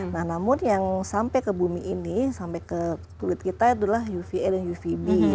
nah namun yang sampai ke bumi ini sampai ke kulit kita itulah uva dan uvb